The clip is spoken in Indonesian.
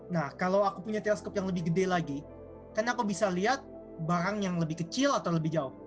nah kalau aku punya teleskop yang lebih gede lagi kan aku bisa lihat barang yang lebih kecil atau lebih jauh